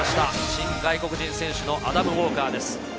新外国人選手のアダム・ウォーカーです。